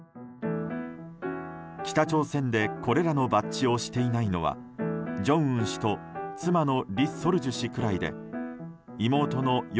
北朝鮮でこれらのバッジをしていないのは正恩氏と妻のリ・ソルジュ氏くらいで妹の与